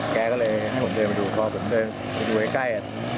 แกก็เลยให้ผมเจอมาดูเพราะว่าเจอดูให้ใกล้